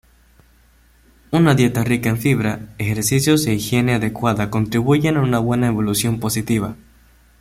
Una dieta rica en fibra, ejercicios e higiene adecuada contribuyen a una evolución positiva.